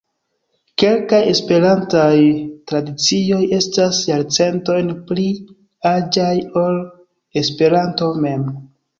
Kelkaj Esperantaj tradicioj estas jarcentojn pli aĝaj ol Esperanto mem.